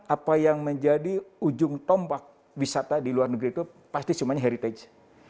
apa yang menjadi ujung tombak wisata di luar negeri itu pasti semuanya heritage